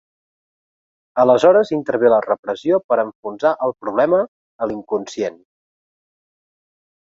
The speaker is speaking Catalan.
Aleshores intervé la repressió per enfonsar el problema a l'inconscient.